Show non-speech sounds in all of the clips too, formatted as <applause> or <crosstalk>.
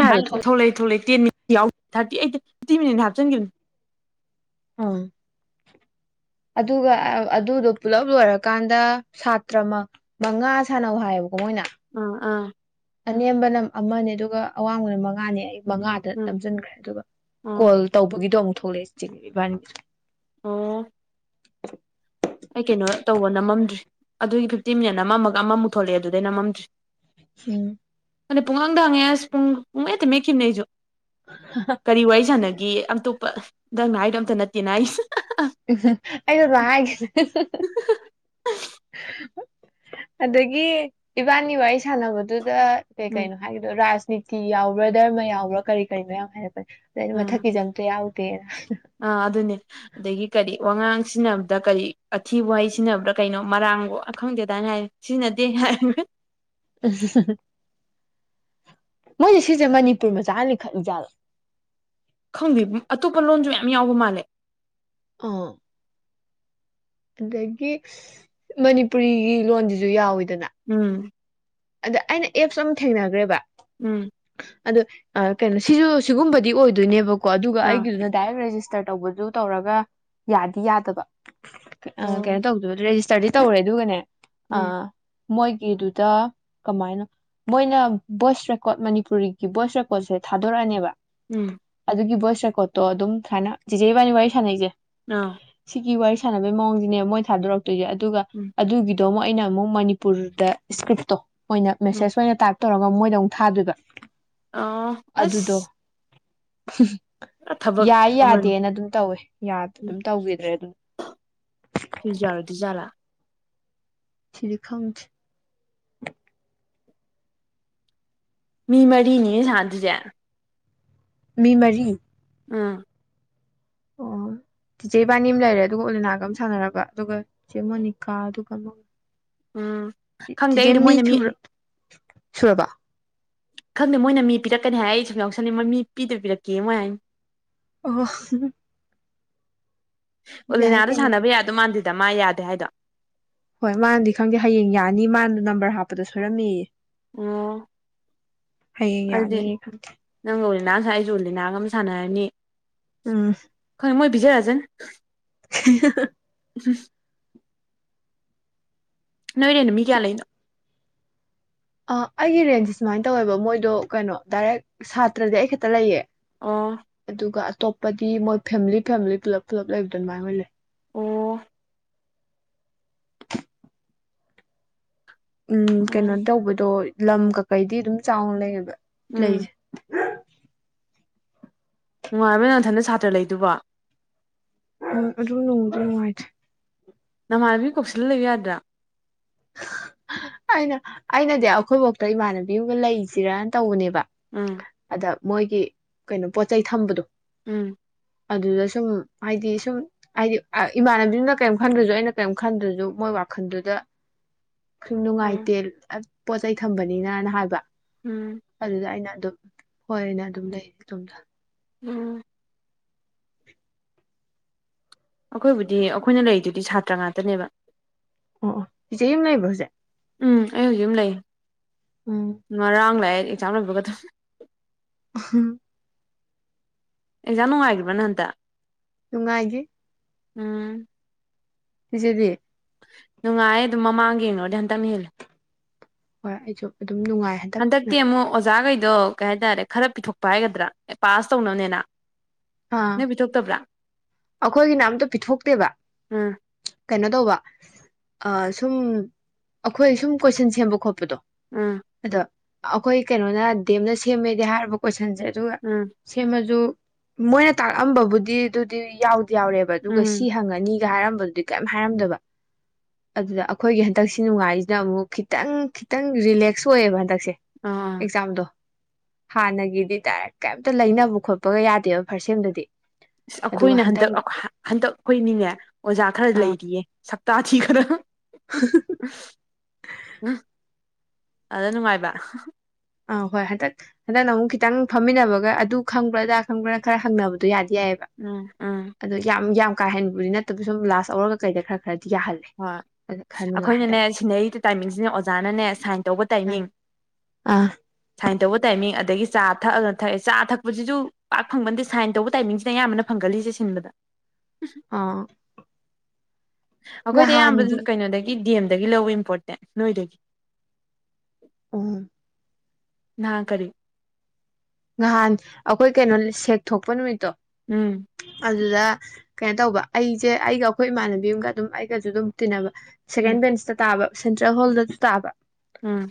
ꯍꯥꯏꯕ ꯊꯣꯛ ꯊꯣꯛꯂꯩ ꯊꯣꯛꯂꯩ ꯇꯤꯟꯅꯤ ꯌꯥꯎ ꯊꯥꯔꯇꯤ ꯑꯩꯠꯇꯤ ꯐꯤꯞꯇꯤ ꯃꯤꯅꯤꯠꯅꯦ ꯍꯥꯞꯆꯤꯟꯒꯤꯝꯅꯤ ꯎꯝ ꯑꯗꯨꯒ ꯑꯗꯨꯗꯣ ꯄꯨꯂꯞ ꯂꯣꯏꯔꯀꯥꯟꯗ ꯁꯥꯇ꯭ꯔ ꯃꯪ ꯃꯉꯥ ꯁꯥꯟꯅꯧ ꯍꯥꯏꯌꯦꯕꯀꯣ ꯃꯣꯏꯅ ꯑꯪ ꯑꯥ ꯑꯅꯦꯝꯕꯅꯥ ꯑꯃꯅꯦ ꯑꯗꯨꯒ ꯑꯋꯥꯡꯕꯅꯥ ꯃꯉꯥꯅꯦ ꯑꯩ ꯃꯉꯥꯗ ꯎꯝ ꯅꯝꯖꯤꯟꯒꯔꯦ ꯑꯗꯨꯒ ꯑꯣ ꯀꯣꯜ ꯇꯧꯕꯒꯤꯗꯣ ꯑꯃꯨꯛ ꯊꯣꯛꯂꯛꯑꯦ <unintelligible> ꯑꯣ ꯑꯩ ꯀꯩꯅꯣ ꯇꯧꯕ ꯅꯝꯃꯝꯗ꯭ꯔꯤ ꯑꯗꯨꯒꯤ ꯐꯤꯞꯇꯤꯟ ꯃꯤꯅꯠ ꯑꯝꯃꯝꯃꯒ ꯑꯃꯨꯊꯣꯂꯛꯑꯦ ꯑꯗꯨꯗꯩ ꯅꯃꯃꯝꯗ꯭ꯔꯤ ꯎꯝ ꯑꯗ ꯄꯨꯡꯍꯥꯡꯗ ꯍꯪꯉꯦ ꯑꯁ ꯄꯨꯡ ꯄꯨꯡꯃꯦꯠꯇ ꯃꯦꯠꯈꯤꯕꯅꯦ ꯑꯩꯁꯨ ꯀꯔꯤ ꯋꯥꯔꯤ ꯁꯥꯅꯩꯕ ꯒꯤ ꯑꯇꯣꯞꯄ ꯗꯪꯅ ꯍꯥꯏꯗꯣ ꯑꯝꯇ ꯅꯠꯇꯦ ꯅꯥꯏꯁ <unintelligible> <unintelligible> ꯑꯗꯒꯤ ꯏꯕꯥꯅꯤ ꯋꯥꯔꯤ ꯁꯥꯟꯅꯕꯗꯨ ꯀ ꯀꯩ ꯎꯝ ꯀꯩꯅꯣ ꯍꯥꯏꯗꯣ ꯔꯥꯏꯁ ꯅꯤꯇꯤ ꯌꯥꯎꯕ꯭ꯔꯥ ꯙꯔꯃ ꯌꯥꯎꯕ꯭ꯔꯥ ꯀꯔꯤ ꯀꯔꯤꯅꯣ ꯌꯥꯝ ꯍꯥꯏꯔꯛ ꯀꯩꯅꯣ ꯃꯊꯛꯀꯤꯁꯦ ꯑꯝꯇ ꯌꯥꯎꯗꯦ ꯄꯦꯔ ꯑ ꯑꯗꯨꯅꯦ ꯑꯗꯒꯤ ꯀꯔꯤ ꯋꯥꯉꯥꯡ ꯁꯤꯖꯤꯟꯅꯕꯗꯥ ꯀꯔꯤ ꯑꯊꯤꯕ ꯋꯥꯍꯩ ꯁꯤꯖꯤꯟꯅꯕ꯭ꯔꯥ ꯀꯩꯅꯣ ꯃꯔꯥꯡꯕꯣ ꯈꯪꯗꯦꯗꯥꯏꯅ ꯍꯥꯏ ꯁꯤꯖꯤꯟꯅꯗꯦ ꯍꯥꯏꯔꯝꯕꯅꯦ <unintelligible> ꯃꯣꯏꯁꯦ ꯁꯤꯁꯦ ꯃꯅꯤꯄꯨꯔ ꯃꯆꯥ ꯅ ꯂꯤꯡꯈꯠꯂꯤ ꯖꯥꯠꯂꯣ ꯈꯪꯗꯦ ꯑꯇꯣꯞꯄ ꯂꯣꯟꯁꯨ ꯌꯥꯝ ꯌꯥꯎꯕ ꯃꯥꯜꯂꯦ ꯑꯥ ꯑꯗꯒꯤ ꯃꯅꯤꯄꯨꯔꯤꯒꯤ ꯂꯣꯟꯁꯤꯁꯨ ꯌꯥꯎꯋꯤ ꯎꯝ ꯑꯗ ꯑꯩꯅ ꯑꯦꯞꯁ ꯑꯃ ꯊꯦꯡꯅꯈ꯭ꯔꯦꯕ ꯎꯝ ꯑꯗꯣ ꯀꯩꯅꯣ ꯁꯤꯁꯨ ꯁꯤꯒꯨꯝꯕꯗꯤ ꯑꯣꯏꯗꯣꯏꯅꯦꯕ ꯀꯣ ꯑꯗꯨꯒ ꯑꯥ ꯑꯩꯒꯤꯗꯨꯅ ꯗꯥꯏꯔꯦꯛ ꯔꯦꯖꯤꯁ ꯇ ꯇꯧꯕꯗꯨ ꯇꯧꯔꯒ ꯌꯥꯗꯤ ꯌꯥꯗꯕ ꯑ ꯑꯣ ꯀꯩꯅꯣ ꯇꯧꯗꯦ ꯔꯦꯖꯤꯁ ꯁ꯭ꯇꯔꯗꯤ ꯇꯧꯔꯦ ꯑꯗꯨꯒꯅꯦ ꯎꯝ ꯑꯥ ꯃꯣꯏꯒꯤꯗꯨꯗ ꯀꯃꯥꯏꯅꯣ ꯃꯣꯏꯅ ꯚꯣꯏꯁ ꯔꯦꯀꯣꯔꯠ ꯃꯅꯤꯄꯨꯔꯤꯒꯤ ꯚꯣꯏꯁ ꯔꯦꯀꯣꯔꯠꯁꯦ ꯊꯥꯗꯣꯔꯛꯑꯅꯦꯕ ꯎꯝ ꯑꯗꯨꯒꯤ ꯚꯣꯏꯁ ꯔꯦꯀꯣꯠꯇꯣ ꯑꯗꯨꯝ ꯁꯨꯃꯥꯏꯅ ꯆꯦꯆꯦ ꯏꯕꯥꯟꯅꯤ ꯋꯥꯔꯤ ꯁꯥꯟꯅꯩꯁꯦ ꯑꯥ ꯁꯤꯒꯤ ꯋꯥꯔꯤꯁꯦ ꯁꯥꯟꯅꯕꯩ ꯃꯑꯣꯡꯁꯤꯅꯦ ꯃꯣꯏ ꯊꯥꯗꯣꯔꯛ ꯑꯗꯨꯒ ꯎꯝ ꯑꯗꯨꯒꯤꯗꯤ ꯑꯗꯣ ꯑꯃꯨꯛ ꯑꯩꯅ ꯑꯃꯨꯛ ꯃꯅꯤꯄꯨꯔꯗ ꯏꯁꯀ꯭ꯔꯤꯞꯇꯣ ꯑꯣꯏꯅ ꯎꯝ ꯃꯦꯁꯦꯁ ꯑꯣꯏꯅ ꯇꯥꯛ ꯇꯧꯔꯒ ꯃꯣꯏꯗ ꯑꯃꯨꯛ ꯊꯥꯗꯣꯏꯕ꯫ ꯑ ꯑꯗꯨꯗꯣ ꯑꯁ <unintelligible> ꯄꯨꯔꯥ ꯊꯕꯛ ꯌꯥꯏ ꯑꯃꯅꯤ ꯌꯥꯗꯦꯅ ꯑꯗꯨꯝ ꯇꯧꯋꯦ ꯎꯝ ꯑꯗꯨꯝ ꯇꯧꯈꯤꯗ꯭ꯔꯦ ꯑꯗꯨꯝ꯫ ꯁꯤꯁꯨ ꯌꯥꯔꯣꯏꯗꯣꯏꯖꯥꯠꯂꯥ ꯁꯤꯗꯤ ꯈꯪꯗꯦ꯫ ꯃꯤ ꯃꯔꯤꯅꯤ ꯁꯥꯥꯟ ꯗꯨꯁꯦ꯫ ꯃꯤ ꯃꯔꯤ ꯎꯝ꯫ ꯑꯣ ꯇꯤꯆꯦ ꯏꯕꯥꯅꯤ ꯑꯃ ꯂꯩꯔꯦ ꯑꯗꯨꯒ ꯑꯣꯂꯤꯅꯥꯒ ꯑꯃ ꯁꯥꯟꯅꯔꯕ ꯑꯗꯨꯒ ꯆꯦ ꯃꯣꯅꯤꯀꯥ ꯑꯗꯨꯒ ꯑꯃ ꯎꯝ ꯈꯪꯗꯦ ꯑꯩꯗꯣ ꯃꯣꯏꯅ ꯃꯤ ꯁꯨꯔꯕꯥ ꯈꯪꯗꯦ ꯃꯣꯏꯅ ꯃꯤ ꯄꯤꯔꯛꯀꯅꯤ ꯍꯥꯏ ꯑꯩ ꯁꯨꯝ ꯌꯥꯎꯁꯟꯅꯤꯡꯕ ꯃꯤ ꯄꯤꯗꯨ ꯄꯤꯔꯛꯀꯦ ꯃꯣꯏ ꯍꯥꯏꯅ꯫ ꯑꯣ꯫ ꯌꯥꯏ ꯑꯣꯂꯤꯅꯥꯗ ꯀꯩꯅꯣꯗꯨ ꯁꯥꯟꯅꯕ ꯌꯥꯗꯣꯏ ꯃꯥꯟꯗꯦꯗ꯫ ꯗ ꯃꯥ ꯌꯥꯗꯦ ꯍꯥꯏꯗꯣ꯫ ꯍꯣꯏ ꯃꯥꯅꯗꯤ ꯈꯪꯗꯦ ꯍꯌꯦꯡ ꯌꯥꯅꯤ ꯃꯥꯅꯗ ꯅꯝꯕꯔ ꯍꯥꯞꯄꯗ ꯁꯣꯏꯔꯝꯃꯤꯌꯦ꯫ ꯑꯣ ꯍꯌꯦꯡ ꯑꯗꯨꯗꯤ ꯌꯥꯅꯤ ꯈꯪꯗꯦ ꯅꯪ ꯅꯥ ꯉꯁꯥꯏꯖꯨꯂꯤꯅꯥꯒ ꯑꯃꯝ ꯁꯥꯟꯅꯅꯤ꯫ ꯑꯝ꯫ ꯄꯤꯖꯔꯛꯅꯤ꯫ <unintelligible> <unintelligible> ꯅꯣꯏ ꯔꯦꯟ ꯃꯤ ꯀꯌꯥ ꯂꯩꯅꯣ ꯑ ꯑꯩꯒꯤ ꯔꯦꯟꯁꯤ ꯁꯨꯃꯥꯏ ꯇꯧꯋꯦꯕ ꯃꯣꯏꯗꯣ ꯀꯩꯅꯣ ꯗꯥꯏꯔꯦꯛ ꯁꯥꯇ꯭ꯔꯗꯤ ꯑꯩ ꯈꯇ ꯂꯩꯌꯦ ꯑꯣ ꯇꯣꯞꯄꯗꯤ ꯃꯣꯏ ꯐꯦꯝꯂꯤ ꯐꯦꯝꯂꯤ ꯄꯨꯂꯞ ꯄꯨꯂꯞ ꯂꯩꯕꯗꯨ ꯑꯗꯨꯃꯥꯏ ꯑꯣꯏ ꯂꯩ ꯑꯣ ꯎꯝ ꯀꯩꯅꯣ ꯇꯧꯕꯗꯣ ꯂꯝ ꯀꯀꯩꯗꯤ ꯑꯗꯨꯝ ꯆꯥꯎꯅ ꯂꯩꯌꯦꯕ ꯎꯝ ꯂꯩꯖꯦ ꯅꯨꯡꯉꯥꯏꯕ ꯅꯊꯟꯇ ꯁꯥꯇ꯭ꯔ ꯂꯩꯗꯨꯕ ꯎꯝ ꯑꯗꯨꯝ ꯅꯨꯡꯗꯤ ꯅꯨꯡꯉꯥꯏꯊꯦ ꯅꯃꯥꯥꯅꯕꯤ ꯀꯧꯁꯤꯜꯂ ꯂꯩꯌꯨ ꯌꯥꯗ꯭ꯔꯥ ꯑꯩꯅ ꯑꯩꯅꯗꯤ ꯑꯩꯈꯣꯏꯕꯣꯛꯇ ꯏꯃꯥꯟꯅꯕꯤꯑꯝꯒ ꯂꯩꯖꯤꯔꯅ ꯇꯧꯕꯅꯦꯕ ꯎꯝ ꯗ ꯃꯣꯏꯒꯤ ꯀꯩꯅꯣ ꯄꯣꯠ ꯆꯩꯩ ꯊꯝꯕꯗꯣ ꯎꯝ ꯑꯗꯨꯗ ꯁꯨꯝ ꯍꯥꯏꯗꯤ ꯁꯨꯝ ꯍꯥꯏꯗꯤ ꯏꯃꯥꯟꯅꯕꯤꯗꯨꯅ ꯀꯩꯏꯝ ꯈꯟꯗ꯭ꯔꯖꯨ ꯑꯩꯅ ꯀꯩꯏꯝ ꯈꯟꯗ꯭ꯔꯖꯨ ꯃꯣꯏ ꯋꯥꯈꯟꯗꯨꯗ ꯁꯨꯝ ꯎꯝ ꯅꯨꯡꯉꯥꯏꯇꯦ ꯄꯣꯠ ꯆꯩꯩ ꯊꯝꯕꯅꯤꯅꯅ ꯍꯥꯏꯕ ꯎꯝ ꯑꯗꯨꯗꯗ ꯑꯗꯨꯝ ꯍꯣꯏꯅꯦ ꯑꯗꯨꯝ ꯂꯩ ꯑꯣꯝꯗ ꯎꯝ ꯑꯩꯈꯣꯏꯕꯨꯗꯤ ꯑꯩꯈꯣꯏꯅ ꯂꯩꯔꯤꯗꯨꯗꯤ ꯁꯥꯇ꯭ꯔ ꯉꯥꯛꯇꯅꯦꯕ ꯑꯣ ꯄꯖ ꯍꯝ ꯅꯥꯏꯔꯤꯕꯁꯦ ꯎꯝ ꯑꯩ ꯍꯧꯖꯤꯛ ꯑꯃ ꯂꯩ ꯎꯝ ꯃꯔ ꯆꯥꯝꯅ ꯒ ꯊ ꯎꯝ ꯑꯦꯖꯥ ꯅꯨꯡꯉꯥꯏꯈ꯭ꯔꯕ ꯅ ꯑꯟꯇ ꯅꯨꯡꯉꯥꯏꯒꯤꯦ ꯎꯝ ꯁꯤ ꯁꯤꯗꯤ ꯅꯨꯡꯉꯥꯏ ꯑꯗꯨꯝ ꯃꯃꯥꯡꯒ ꯌꯦꯡꯉꯣꯗꯤ ꯍꯟꯇꯛ ꯍꯦꯜꯂꯦ ꯍ ꯑꯩꯁꯨ ꯑꯗꯨꯝ ꯅꯨꯡꯉꯥꯏ ꯍꯟꯗꯛꯅ ꯍꯟꯇꯤꯃꯣ ꯑꯣꯖꯥ ꯑꯗꯣ ꯀꯩ ꯍꯥꯏꯇꯥꯔꯦ ꯈꯔ ꯄꯤꯊꯣꯛꯄ ꯍꯥꯏꯒꯗ꯭ꯔꯥ ꯑꯦ ꯄꯥꯁ ꯇꯧꯅꯕꯅꯦꯅ ꯑꯥ ꯅꯣꯏ ꯄꯤꯊꯣꯛꯇꯕ꯭ꯔꯥ ꯑꯩꯈꯣꯏꯒꯤꯅ ꯑꯝꯇ ꯄꯤꯊꯣꯛꯇꯦꯕ ꯎꯝ ꯀꯩꯅꯣ ꯇꯧꯕ ꯁꯨꯝ ꯑꯩꯈꯣꯏ ꯁꯨꯝ ꯀꯣꯏꯁꯟ ꯁꯦꯝꯕ ꯈꯣꯠꯄꯗꯣ ꯑꯥ ꯑꯗꯣ ꯑꯩꯈꯣꯏ ꯀꯩꯅꯣꯅ ꯗꯦꯝꯅ ꯁꯦꯝꯃꯦꯗꯤ ꯍꯥꯏꯔꯕ ꯀꯣ ꯇ ꯁꯟꯁꯦ ꯑꯗꯨꯒ ꯎꯝ ꯁꯦꯝꯃꯁꯨ ꯃꯣꯏꯅ ꯇꯥꯛꯔꯑꯝꯕꯕꯨꯗꯤ ꯑꯗꯨꯗꯤ ꯌꯥꯎꯗ ꯌꯥꯎꯔꯦꯕ ꯑꯗꯨꯒ ꯎꯝ ꯁꯤ ꯍꯪꯉꯅꯤ ꯍꯥꯏꯔꯝꯕꯗꯨꯗꯤ ꯀꯔꯤꯝ ꯍꯥꯏꯔꯝꯗꯕ ꯑꯗꯨꯗ ꯑꯩꯈꯣꯏꯒꯤ ꯍꯟꯗꯛꯁꯤ ꯅꯨꯡꯉꯥꯏꯔꯤꯁꯤꯅ ꯑꯃꯨꯛ ꯈꯤꯇꯪ ꯈꯤꯇꯪ ꯔꯤꯂꯦꯛꯁ ꯑꯣꯏꯌꯦꯕ ꯍꯟꯗꯛ ꯑꯥ ꯑꯦꯛꯖꯥꯝꯗꯣ ꯍꯥꯟꯅꯒꯤꯗꯤ ꯇꯔꯦ ꯀꯩꯝꯇ ꯂꯩꯅꯕ ꯈꯣꯠꯄꯒ ꯌꯥ ꯐꯥꯔꯁꯦꯝꯗꯗꯤ ꯑꯩꯈꯣꯏꯅ ꯍꯟꯗꯛ ꯍꯟꯗꯛ ꯑꯩꯣꯏ ꯅꯤꯡꯉꯦ ꯑꯣꯖꯥ ꯈꯔ ꯑ ꯂꯩꯔꯤꯌꯦ ꯇꯥ ꯊꯤꯈꯗ ꯎ ꯎ ꯑꯗ ꯅꯨꯡꯉꯥꯏꯕ ꯑ ꯍꯣꯏ ꯍꯟꯗꯛ ꯍꯟꯗꯛꯅ ꯑꯃꯨꯛ ꯈꯤꯇꯪ ꯐꯝꯃꯤꯟꯅꯕꯒ ꯑꯗꯨ ꯈꯪꯕ꯭ꯔꯥ ꯑꯗꯥ ꯈꯪꯕ꯭ꯔꯥꯅ ꯈꯔ ꯍꯪꯅꯕꯗꯣ ꯌꯥꯗꯦ ꯌꯥꯏꯕ ꯎꯝ ꯎꯝ ꯑꯗꯨ ꯌꯥꯝ ꯌꯥꯝ ꯀꯥꯏꯍꯟꯕꯗꯤ ꯅꯠꯇꯕ ꯁꯨꯝ ꯂꯥꯁꯧꯔꯒ ꯀꯩꯗ ꯈꯔ ꯈꯔꯗꯤ ꯌꯥꯍꯜꯂꯦ ꯍꯣꯏ ꯑꯗ ꯈꯔ ꯅꯨꯡꯉꯥꯏ ꯑꯩꯈꯣꯏꯅꯅꯦ ꯍꯟꯗꯛꯅ ꯁꯤꯟꯅꯔꯤꯗ ꯇꯥꯏꯃꯤꯡꯁꯤꯅꯦ ꯑꯣꯖꯥꯅꯅꯦ ꯁꯥꯏꯟ ꯇꯧꯕ ꯑꯥ ꯇꯥꯏꯃꯤꯡ꯫ ꯑꯥ ꯁꯥꯏꯟ ꯇꯧꯕ ꯇꯥꯏꯃꯤꯡ ꯑꯗꯒꯤ ꯆꯥ ꯊꯛꯑꯒ ꯊꯛꯑꯦ ꯆꯥ ꯊꯛꯄꯁꯤꯁꯨ ꯄꯥꯛ ꯐꯪꯕꯗꯤ <inaudible> ꯑꯥ ꯑꯩꯈꯣꯏꯗ ꯑꯌꯥꯝꯕ ꯅꯍꯥꯟꯒꯤ ꯀꯩꯅꯣꯗꯒꯤ ꯗꯤ ꯑꯦꯝ ꯗꯒꯤ ꯂꯧꯏ ꯏꯝꯄꯣꯔꯇꯦꯟ ꯅꯣꯏꯗꯒꯤ ꯎꯝ ꯅꯥꯍꯥꯟ ꯀꯔꯤ ꯉꯍꯥꯟ ꯑꯩꯈꯣꯏ ꯀꯩꯅꯣ ꯁꯦꯛ ꯊꯣꯛꯄ ꯅꯨꯃꯤꯠꯇꯣ ꯎꯝ ꯑꯗꯨꯗ ꯀꯩꯅꯣ ꯇꯧꯕ ꯑꯩꯁꯦ ꯑꯩꯒ ꯑꯩꯈꯣꯏ ꯏꯃꯥꯟꯅꯕꯤ ꯑꯃꯒ ꯑꯗꯨꯝ ꯑꯩꯒꯁꯨ ꯑꯗꯨꯝ ꯇꯤꯟꯅꯕ ꯎꯝ ꯁꯦꯀꯦꯟ ꯕꯦꯟꯁꯇ ꯇꯥꯕ ꯁꯦꯟꯇ꯭ꯔꯦꯜ ꯍꯣꯜꯗꯁꯨ ꯇꯥꯕ ꯎꯝ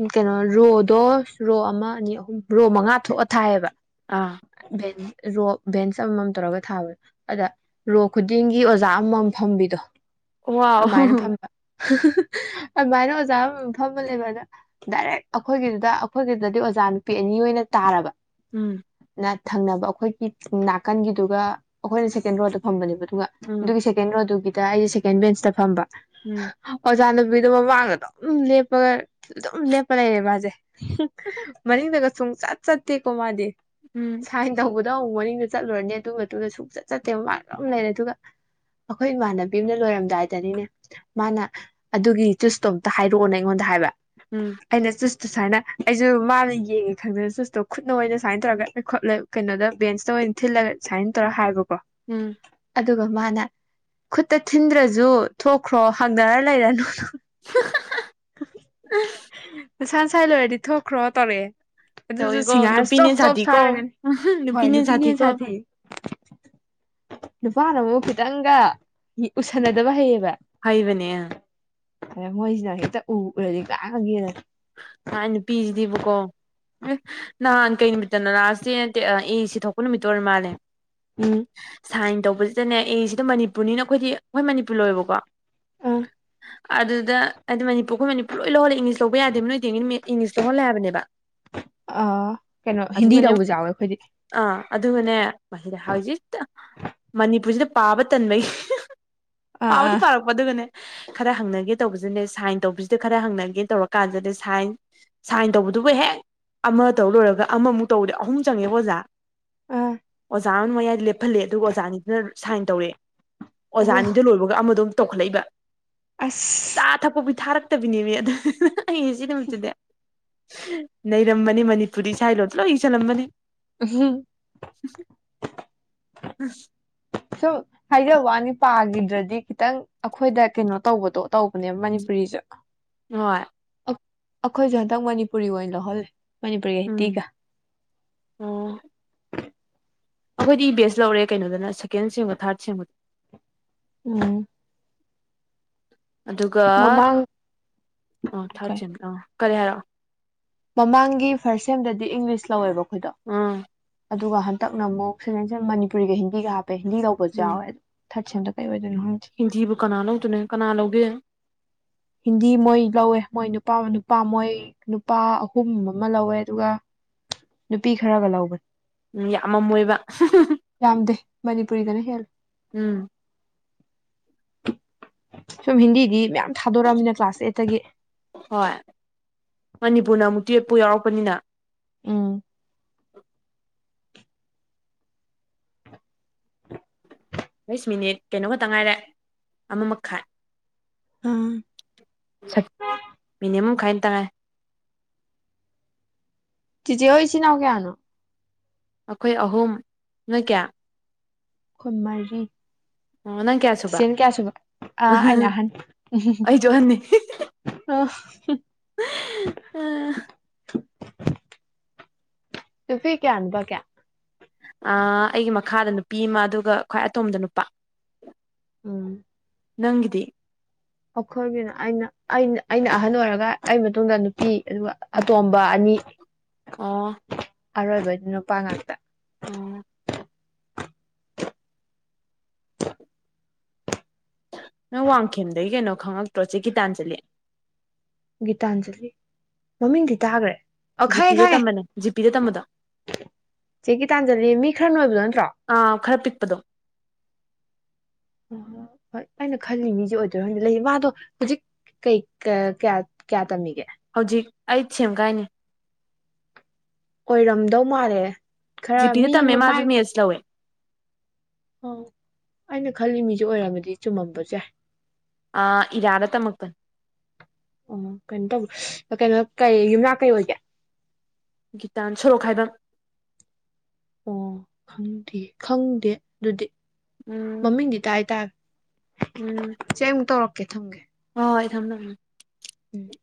ꯎꯝ ꯀꯩꯅꯣ ꯔꯣꯗꯣ ꯔꯣ ꯑꯃ ꯑꯅꯤ ꯑꯍꯨꯝ ꯔꯣ ꯃꯉꯥ ꯊꯣꯛꯑꯒ ꯊꯥꯏꯑꯌꯦꯕ ꯑꯥ ꯅꯤ <unintelligible> ꯔꯣ ꯚꯦꯟꯁ ꯑꯃꯃꯝ ꯇꯧꯔꯒ ꯊꯥꯕꯗ ꯑꯗ ꯔꯣ ꯈꯨꯗꯤꯡꯒꯤ ꯑꯣꯖꯥ ꯑꯃꯃꯝ ꯐꯝꯕꯤꯗꯣ ꯋꯥꯎ ꯑꯗꯨꯃꯥꯏꯅ ꯐꯝꯕ ꯑꯗꯨꯃꯥꯏꯅ ꯑꯣꯖꯥ ꯑꯃꯝ ꯐꯃ ꯂꯩꯕ ꯑꯗ ꯗꯥꯏꯔꯦꯛ ꯑꯩꯈꯣꯏꯒꯤꯗꯨꯗ ꯑꯩꯈꯣꯏꯒꯤꯗꯗꯤ ꯑꯣꯖꯥ ꯅꯨꯄꯤ ꯑꯅꯤ ꯑꯣꯏꯅ ꯇꯥꯔꯕ ꯎꯝ ꯅ ꯊꯪꯅꯕ ꯑꯩꯈꯣꯏꯒꯤ ꯅꯥꯀꯟꯒꯤꯗꯨꯒ ꯑꯩꯈꯣꯏꯅ ꯁꯦꯀꯦꯟ ꯔꯣꯗ ꯐꯝꯕꯅꯦꯕ ꯑꯗꯨ ꯑꯗꯨꯒ ꯎꯝ ꯑꯗꯨꯒꯤ ꯁꯦꯀꯦꯟ ꯔꯣ ꯑꯗꯨꯒꯤ ꯗ ꯑꯩꯁꯦ ꯁꯦꯀꯦꯟ ꯕꯦꯟꯁꯇ ꯐꯝꯕ ꯎꯝ ꯑꯣꯖꯥꯅꯨꯄꯤ ꯑꯗꯨꯒꯤꯗꯣ ꯃꯃꯥꯡꯗ ꯑꯗꯨꯝ ꯂꯦꯞꯄꯒ ꯑꯗꯨꯝ ꯂꯦꯞꯄ ꯂꯩꯔꯦ ꯃꯥꯁꯦ ꯃꯅꯤꯡꯗꯒ ꯁꯨꯡ ꯆꯠ ꯁꯠꯇꯦꯀꯣ ꯃꯥꯗꯤ ꯎꯝ ꯁꯥꯏꯟ ꯇꯩꯕ ꯂꯧ ꯃꯅꯤꯡꯗ ꯆꯠꯂꯨꯔꯅꯤ ꯑꯗꯨ ꯃꯇꯨꯡꯗ ꯁꯨꯡꯆꯠ ꯆꯠꯇꯦꯕ ꯃꯥ ꯑꯗꯨꯝ ꯂꯩꯔꯦ ꯑꯗꯨꯒ ꯑꯩꯈꯣꯏ ꯏꯃꯥꯟꯅꯕꯤ ꯑꯃꯅ ꯂꯣꯏꯔꯝꯗꯥꯋꯥꯏꯗꯅꯤꯅꯦ ꯃꯥꯅ ꯑꯗꯨꯒꯤ ꯆꯨꯁꯇꯣꯝ ꯑꯝꯇ ꯍꯥꯏꯔꯛꯑꯣꯅꯦ ꯑꯩꯉꯣꯟꯗ ꯍꯥꯏꯕ ꯎꯝ ꯑꯩꯅ ꯆꯨꯁꯠ ꯁꯨꯃꯥꯏꯅ ꯑꯩꯁꯨ ꯃꯥꯅ ꯌꯦꯡꯉꯦ ꯈꯪꯗꯗ ꯁꯨꯠ ꯗꯣ ꯈꯨꯠꯅ ꯑꯣꯏꯅ ꯁꯨꯃꯥꯏꯅ ꯇꯧꯔꯒꯥ ꯈꯣꯠꯂꯦ ꯀꯩꯅꯣꯗꯥ ꯕꯦꯟꯁꯇ ꯑꯣꯏꯅ ꯊꯤꯜꯂꯒ ꯁꯨꯃꯥꯏꯟ ꯇꯧꯔ ꯎꯝ ꯍꯥꯏꯕꯀꯣ ꯎꯝ ꯑꯗꯨꯒ ꯃꯥꯅ ꯈꯨꯠꯇ ꯊꯤꯟꯗ꯭ꯔꯁꯨ ꯊꯣꯛꯈ꯭ꯔꯣ ꯍꯪꯅꯔꯒ ꯂꯩꯔꯅꯨ <inaudible> ꯅꯁꯥ ꯅꯁꯥꯒꯤ ꯂꯣꯏꯔꯗꯤ ꯊꯣꯛꯈ꯭ꯔꯣ ꯇꯧꯔꯛꯑꯦ ꯑꯗꯨꯁꯨ ꯇꯧꯋꯤꯀꯣ ꯁꯤꯡꯍꯥꯔ ꯅꯨꯄꯤꯅ ꯆꯣꯞ ꯍꯦꯟꯅ ꯆꯣꯞ ꯁꯤꯊꯤꯀꯣ ꯁꯥꯔꯒꯅꯤ ꯎꯝꯍꯨ ꯍꯣꯏ ꯅꯨꯄꯤꯅꯦ ꯍꯦꯟꯅ ꯅꯨꯄꯤꯅ ꯁꯥꯊꯤꯀꯣ ꯁꯥꯊꯤ ꯅꯨꯄꯥꯅ ꯑꯃꯨꯛ ꯈꯤꯇꯪꯒ ꯎꯁꯟꯅꯗꯕ ꯍꯩꯌꯦꯕ ꯍꯩꯕꯅꯦ ꯑ ꯃꯣꯏꯖꯤꯅ ꯍꯦꯛꯇ ꯎꯒꯔꯗꯤ ꯉꯥꯡꯉꯒꯦꯗꯅꯤ ꯉꯥꯏ ꯅꯨꯄꯤꯁꯤꯗꯤꯕꯀꯣ ꯑꯦ ꯅꯍꯥꯟ ꯀꯩ ꯅꯨꯃꯤꯠꯇꯅ ꯂꯥꯁꯦ ꯑꯦ ꯁꯤ ꯊꯣꯛꯄ ꯅꯨꯃꯤꯠꯇ ꯑꯣꯏꯔ ꯃꯥꯜꯂꯦ ꯎꯝ ꯁꯥꯏꯟ ꯇꯧꯕꯁꯤꯗꯅꯦ ꯑꯦ ꯁꯤꯗ ꯃꯅꯤꯄꯨꯔꯅꯤꯅ ꯑꯩꯈꯣꯏꯗꯤ ꯑꯩꯈꯣꯏ ꯃꯅꯤꯄꯨꯔ ꯂꯣꯏꯌꯦꯕꯀꯣ ꯑꯥ ꯑꯗꯨꯗ ꯍꯥꯏꯗꯤ ꯃꯅꯤꯄꯨꯔ ꯑꯩꯈꯣꯏ ꯃꯅꯤꯄꯨꯔ ꯂꯣꯏ ꯂꯧꯍꯜꯂꯦ ꯏꯂꯤ ꯌꯥꯗꯦ ꯅꯣꯏꯗꯤ ꯏꯪꯂꯤꯁꯇ ꯍꯣꯜꯂꯦ ꯍꯥꯏꯕꯅꯦꯕ ꯑꯥ ꯀꯩꯅꯣ ꯍꯤꯟꯗꯤ ꯑꯗꯨꯒꯅꯦ ꯂꯧꯕꯁꯨ ꯌꯥꯎꯋꯦ ꯑꯩꯈꯣꯏꯗꯤ ꯑꯥ ꯑꯗꯨꯅꯦ ꯃꯁꯤꯗ ꯍꯧꯖꯤꯛ ꯃꯅꯤꯄꯨꯔꯁꯤꯗ ꯄꯥꯕ ꯇꯟꯕꯩ ꯑꯥ ꯄꯥꯎꯗꯤ ꯑꯥ ꯄꯥꯔꯛꯄ ꯑꯗꯨꯒꯅꯦ ꯈꯔ ꯍꯪꯅꯒꯦ ꯇꯧꯕꯁꯤꯅꯦ ꯁꯥꯏꯟ ꯇꯧꯕꯁꯤꯗ ꯈꯔ ꯍꯪꯅꯒꯦ ꯇꯧꯔꯛ ꯀꯥꯟꯖꯗꯦ ꯁꯥꯏꯟ ꯁꯥꯏꯟ ꯇꯧꯕꯗꯨꯕꯨ ꯍꯦꯛ ꯑꯃ ꯇꯧ ꯂꯣꯏꯔꯒ ꯑꯃꯃꯨꯛ ꯇꯧꯕꯗꯤꯦ ꯑꯍꯨꯝ ꯆꯪꯉꯦꯕ ꯑꯣꯖꯥ ꯑꯥ ꯑꯣꯖꯥ ꯑꯃ ꯃꯌꯥꯏ ꯂꯦꯞꯍꯜꯂꯦ ꯑꯗꯨꯒ ꯑꯣꯖꯥꯅꯤꯗꯨꯅ ꯁꯥꯏꯟ ꯇꯧꯔꯦ ꯑꯣ ꯑꯣꯖꯥꯅꯤꯗ ꯂꯣꯏꯕꯒ ꯑꯃ ꯑꯗꯨꯝ ꯇꯣꯛꯈꯠꯂꯛꯏꯕ ꯆꯥ ꯑꯁ ꯊꯛꯄꯕꯤ ꯊꯥꯔꯛ ꯠꯇꯕꯅꯦꯕ ꯑ ꯑꯗꯨ ꯑꯩ ꯁꯤ ꯅꯨꯃꯤꯛꯇꯗꯦ ꯅꯩꯔꯝꯕꯅꯤ ꯃꯅꯤꯄꯨꯔꯤ ꯁꯥꯏ ꯂꯣ ꯂꯣ ꯏ ꯆ ꯂꯝꯂꯝꯕꯅꯦ ꯎꯝ ꯍ ꯁꯨꯝ ꯍꯥꯏꯖꯕ ꯋꯥꯅꯤ ꯄꯥꯈꯤꯗ꯭ꯔꯗꯤ ꯈꯤꯇꯪ ꯑꯩꯈꯣꯏꯗ ꯀꯩꯅꯣ ꯇꯧꯕꯗꯣ ꯇꯧꯕꯅꯦꯕ ꯃꯅꯤꯄꯨꯔꯤꯁꯦ ꯍꯣꯏ ꯑꯩꯈꯣꯏꯁꯦ ꯍꯟꯇꯪ ꯃꯅꯤꯄꯨꯔꯤ ꯑꯣꯏꯅ ꯂ ꯂꯧꯍꯜꯂꯤꯦ ꯎꯝ ꯑꯣ ꯑꯩꯈꯣꯏꯗꯤ ꯏ ꯕꯦꯁ ꯂꯧꯔꯦ ꯀꯩꯅꯣꯗꯅ ꯁꯦꯀꯦꯟ ꯁꯦꯡꯕ ꯊꯥꯔꯠ ꯁꯦꯡꯕꯗ ꯎꯝ ꯑꯗꯨꯒ ꯃꯃꯥꯡ ꯑ ꯀꯩ ꯊꯥꯔꯖꯤꯤꯟ ꯑꯥ ꯀꯔꯦꯌꯥꯔꯥ ꯃꯃꯥꯡꯒꯤ ꯐꯥꯔꯁ ꯁꯦꯝꯗꯗꯤ ꯏꯪꯂꯤꯁ ꯂꯧꯋꯦꯕꯀꯣ ꯑꯝ ꯑꯗꯨꯒ ꯍꯟꯗꯛꯅꯨꯛ ꯁꯦꯟꯟ ꯃꯅꯤꯄꯨꯔꯤꯒ ꯍꯤꯟꯗꯤꯒ ꯍꯥꯞꯄ ꯄꯦꯟꯗꯤ ꯇꯧꯕꯁꯨ ꯌꯥꯎꯋꯦ ꯊꯥꯠꯗ ꯀꯩ ꯑꯣꯏ ꯍꯤꯟꯖꯤꯕꯨ ꯀꯅꯥ ꯂꯧꯗꯨꯅꯦ ꯀꯅꯥ ꯂꯧꯒꯦ ꯍꯤꯟꯗꯤ ꯃꯣꯏ ꯂꯧꯋꯦ ꯃꯣꯏ ꯅꯨꯄꯥ ꯅꯨꯄꯥ ꯃꯣꯏ ꯅꯨꯄꯥ ꯑꯍꯨꯝ ꯑꯃ ꯂꯧꯋꯦ ꯑꯗꯨꯒ ꯅꯨꯄꯤ ꯈꯔꯒ ꯂꯧꯕꯅꯤ꯫ ꯎꯝ ꯌꯥꯝꯃꯝꯃꯣꯏꯕ꯫ ꯌꯥꯝꯗꯦ ꯃꯅꯤꯄꯨꯔꯤꯗꯅ ꯍꯦꯜꯂꯦ꯫ ꯎꯝ꯫ ꯁꯨꯝ ꯍꯤꯟꯗꯤꯒꯤ ꯃꯌꯥꯝ ꯊꯥꯗꯣꯔꯛꯑꯃꯤꯅ ꯀ꯭ꯂꯥꯁ ꯑꯦꯠꯇꯒꯤ ꯍꯣꯏ ꯃꯅꯤꯄꯨꯔꯅ ꯑꯃꯨꯛ ꯇꯨꯌꯦꯞ ꯄꯨ ꯌꯥꯎꯔꯛꯄꯅꯤꯅ ꯎꯝ <inaudible> ꯍꯩꯁ ꯃꯤꯅꯤꯠ ꯀꯩꯅꯣꯒꯛꯇ ꯉꯥꯏꯔꯦ ꯑꯃꯃꯈꯥꯏ ꯑꯥ <inaudible> ꯃꯤꯅꯤꯃꯝ <unintelligible> ꯆꯤꯆꯦ ꯍꯣꯏ ꯏꯆꯤꯅ ꯅꯥꯎ ꯀꯌꯥꯅꯦ? ꯑꯩꯈꯣꯏ ꯑꯍꯨꯝ ꯅꯣꯏ ꯀꯌꯥ ꯈꯣꯏ ꯃꯔꯤ ꯑꯣ ꯅꯪ ꯀꯌꯥ ꯁꯨꯕ ꯆꯤꯆꯦꯅ ꯀꯌꯥ ꯁꯨꯕ ꯑꯥ ꯑꯩꯅ ꯑꯍꯟ ꯑꯩꯁꯨ ꯑꯍꯟꯅꯤ ꯎ ꯅꯨꯄꯤ ꯀꯌꯥ ꯅꯨꯄꯥ ꯀꯌꯥ ꯑꯩꯒꯤ ꯃꯈꯥꯗ ꯅꯨꯄꯤ ꯑꯃ ꯑꯗꯨꯒ ꯈ꯭ꯋꯥꯏ ꯑꯇꯣꯝꯕ ꯗꯣ ꯅꯨꯄꯥ ꯎꯝ ꯅꯪꯒꯤ ꯗꯤ ꯑꯩꯈꯣꯏꯒꯤꯅ ꯑꯩꯅ ꯑꯩꯅ ꯑꯩꯅ ꯑꯍꯟ ꯑꯣꯏꯔꯒ ꯑꯩ ꯃꯇꯨꯡꯗ ꯅꯨꯄꯤ ꯑꯗꯨꯒ ꯑꯇꯣꯝꯕ ꯑꯅꯤ ꯑꯥ ꯑꯔꯣꯏꯕꯗꯤ ꯅꯨꯄꯥ ꯉꯥꯛꯇ ꯎꯝ ꯅꯪ ꯋꯥꯡꯈꯦꯝꯗꯒꯤ ꯀꯩꯅꯣ ꯈꯪꯉꯛꯇ꯭ꯔꯣ ꯆꯦꯀꯤ ꯇꯥꯟ ꯆꯂꯤ ꯒꯤꯇꯥꯟꯖꯂꯤ ꯃꯃꯤꯡꯗꯤ ꯇꯥꯈ꯭ꯔꯦ ꯑ ꯈꯪꯉꯦ - ꯖꯤꯄꯤꯗ ꯈꯪꯉꯦ ꯇꯝꯕꯅꯦ ꯖꯤꯄꯤꯗ ꯇꯝꯕꯗꯣ ꯆꯦ ꯒꯤꯇꯥꯟꯖꯥꯂꯤ ꯃꯤ ꯈꯔ ꯅꯣꯏꯕꯗꯣ ꯅꯠꯇ꯭ꯔꯣ ꯑꯥ ꯈꯔ ꯄꯤꯛꯄꯗꯣ ꯑ ꯍꯣꯏ ꯑꯩꯅ ꯈꯜꯂꯤ ꯃꯤꯁꯦ ꯑꯣꯏꯗꯣꯏꯔꯗꯤ ꯂꯩ ꯃꯥꯗꯣ ꯍꯧꯖꯤꯛ ꯀꯩ ꯀꯌꯥ ꯀꯌꯥ ꯇꯝꯃꯤꯒꯦ ꯍꯧꯖꯤꯛ ꯑꯩ ꯁꯦꯝꯒꯥꯏꯅꯤ ꯑꯣꯏꯔꯝꯗꯧ ꯃꯥꯜꯂꯦ ꯈꯔ ꯖꯤ ꯄꯤ ꯗ ꯃꯤ ꯇꯝꯃꯦ ꯃꯥꯖꯨ ꯃꯤꯁ ꯂꯧꯋꯦ ꯑ ꯑꯩꯅ ꯈꯜꯂꯤ ꯃꯤꯁꯦ ꯑꯣꯏꯔꯝꯃꯗꯤ ꯆꯨꯝꯃꯝꯕꯁꯨ ꯌꯥꯏ ꯑ ꯏꯔꯥꯗ ꯇꯝꯃꯛ ꯄꯥꯅꯤ ꯑꯣ ꯀꯩꯅꯣ ꯇꯧꯕ ꯀꯩꯅꯣ ꯀꯩ ꯌꯨꯝꯅꯥꯛ ꯀꯩ ꯑꯣꯏꯒꯦ ꯒꯤꯇꯥꯟ ꯁꯣꯔꯣꯛ ꯈꯥꯏꯕꯝ ꯑꯣ ꯈꯪꯗꯦ ꯈꯪꯗꯦ ꯑꯗꯨꯗꯤ ꯎꯝ ꯃꯃꯤꯡꯗꯤ ꯇꯥꯏ ꯇꯥꯏ ꯎꯝ ꯆꯦ <unintelligible> ꯀꯩ ꯊꯝꯒꯦ ꯍꯣꯏ ꯍꯣꯏ ꯊꯝ ꯊꯝꯃꯦ ꯎꯝ